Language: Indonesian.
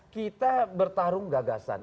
kita bertarung gagasan